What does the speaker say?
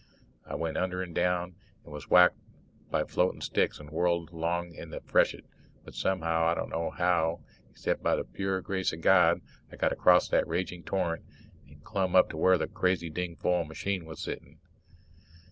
I went under and down, and was whacked by floating sticks and whirled around in the freshet. But somehow, I d'no how except by the pure grace of God, I got across that raging torrent and clumb up to where the crazy dingfol machine was sitting.